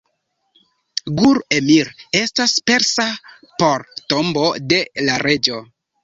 Gur-Emir estas persa por "Tombo de la Reĝo".